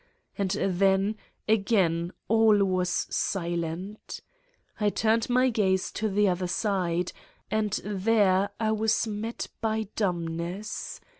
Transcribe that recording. And then, again all was silent. I turned my gaze to the other side and there I was met by dumbness.